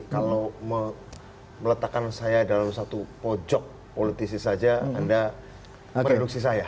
kalau meletakkan saya dalam satu pojok politisi saja anda mereduksi saya